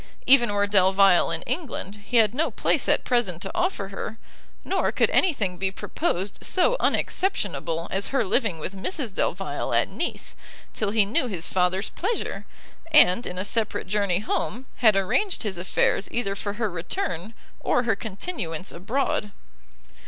Even were Delvile in England, he had no place at present to offer her, nor could any thing be proposed so unexceptionable as her living with Mrs Delvile at Nice, till he knew his father's pleasure, and, in a separate journey home, had arranged his affairs either for her return, or her continuance abroad.